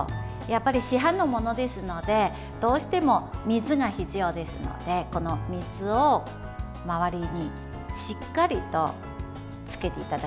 やっぱり、市販のものですのでどうしても水が必要ですので水を周りにしっかりとつけていただきたいなと思います。